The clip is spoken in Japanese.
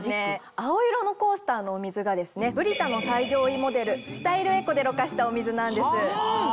青色のコースターのお水がですねＢＲＩＴＡの最上位モデルスタイルエコでろ過したお水なんです。